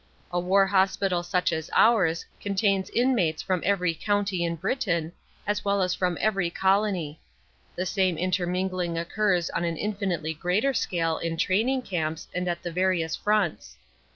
A war hospital such as ours contains inmates from every county in Britain, as well as from every colony. The same intermingling occurs on an infinitely greater scale in training camps and at the various fronts.